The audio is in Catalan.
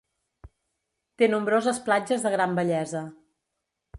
Té nombroses platges de gran bellesa.